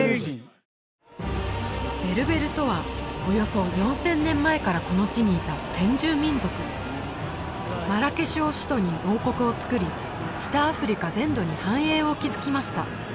ベルベルとはおよそ４０００年前からこの地にいた先住民族マラケシュを首都に王国をつくり北アフリカ全土に繁栄を築きました